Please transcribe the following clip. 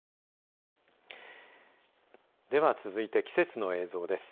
では、続いて季節の映像です。